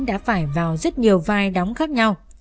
đã phải vào rất nhiều vai đóng khác nhau